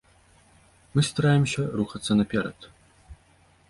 Мы стараемся рухацца наперад.